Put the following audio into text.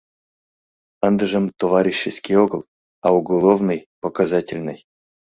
Ындыжым товарищеский огыл, а уголовный, показательный.